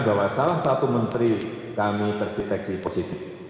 bahwa salah satu menteri kami terdeteksi positif